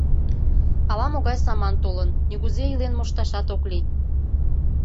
Ала-могай саман толын, нигузе илен мошташат ок лий.